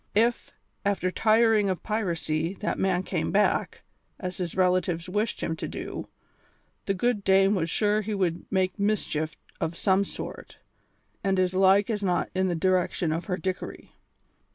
If, after tiring of piracy, that man came back, as his relatives wished him to do, the good dame was sure he would make mischief of some sort, and as like as not in the direction of her Dickory.